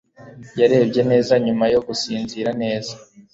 Yarebye neza nyuma yo gusinzira neza.